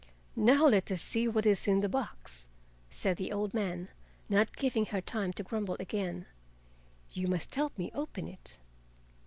"Now let us see what is in the box," said the old man, not giving her time to grumble again. "You must help me open it."